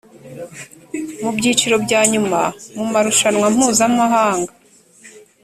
mu byiciro bya nyuma mu marushanwa mpuzamahanga